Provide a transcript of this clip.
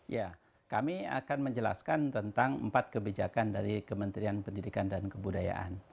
ya kami akan menjelaskan tentang empat kebijakan dari kementerian pendidikan dan kebudayaan